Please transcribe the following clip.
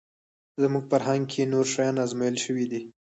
زموږ فرهنګ کې نور شیان ازمویل شوي دي